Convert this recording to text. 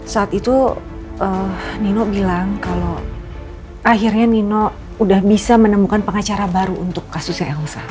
saat itu nino bilang kalau akhirnya nino udah bisa menemukan pengacara baru untuk kasusnya yang usaha